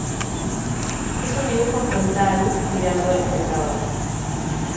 Es un dibujo frontal, mirando al espectador.